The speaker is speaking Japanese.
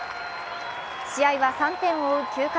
試合は３点を追う９回。